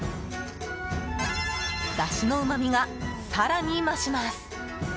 だしのうまみが更に増します。